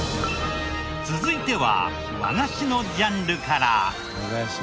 続いては和菓子のジャンルから。